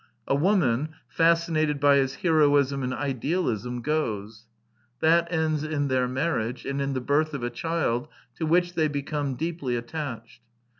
A woman, fascinated by his heroism and idealism, goes. That ends in their marriage, and in the birth of a child to which they become deeply attached.